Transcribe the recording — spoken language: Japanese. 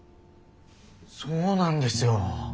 そうなんですよ！